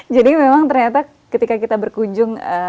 jadi memang ternyata ketika kita berkunjung